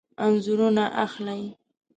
انځورونه اخلئ؟